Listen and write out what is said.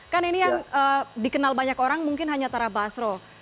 kan ini yang dikenal banyak orang mungkin hanya tara basro